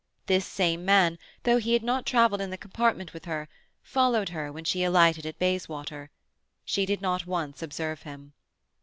This same man, though he had not travelled in the compartment with her, followed her when she alighted at Bayswater. She did not once observe him.